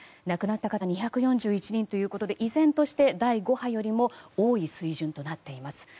亡くなった方は２４１人ということで依然として第５波よりも多い水準となっています。